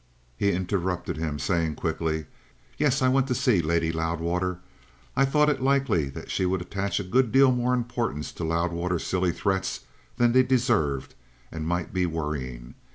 He interrupted him, saying quickly: "Yes. I went to see Lady Loudwater. I thought it likely that she would attach a good deal more importance to Loudwater's silly threats than they deserved and might be worrying.